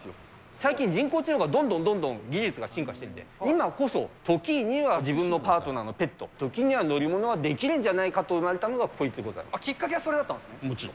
最近、人工知能がどんどんどんどん技術が進化してきて、今こそ、時には自分のパートナーのペット、時には乗り物が出来るんじゃないかと生まれたのがこいつでございきっかけはそれだったんですもちろん。